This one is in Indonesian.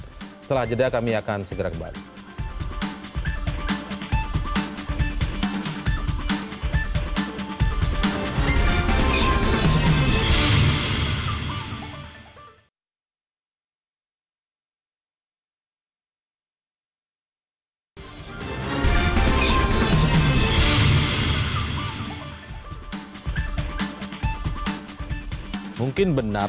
setelah jeda kami akan segera kembali